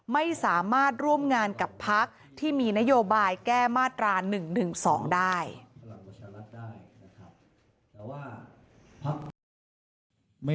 ไม่สามารถร่วมงานกับพักที่มีนโยบายแก้มาตรา๑๑๒ได้